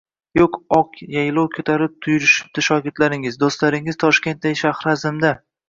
deb oq yalov ko‘tarib yurishibdi shogirdlaringiz, do‘stlaringiz Toshkanday shahri azimda.